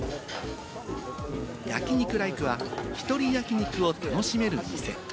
焼肉ライクは１人焼き肉を楽しめる店。